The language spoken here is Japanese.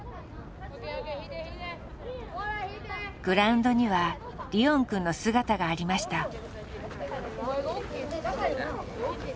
グラウンドにはリオンくんの姿がありました。